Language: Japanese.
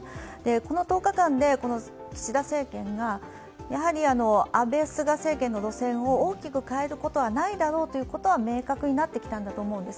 この１０日間で岸田政権が安倍・菅政権の路線を大きく変えることはないだろうということは明確になってきたんだと思うんです。